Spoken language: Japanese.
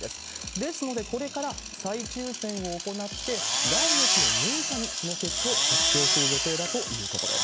ですので、これから再抽せんを行って、来月の６日にその結果を発表する予定だということです。